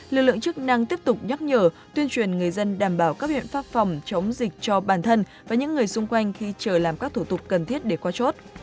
lực lượng chức năng tiếp tục nhắc nhở tuyên truyền người dân đảm bảo các biện pháp phòng chống dịch cho bản thân và những người xung quanh khi chờ làm các thủ tục cần thiết để qua chốt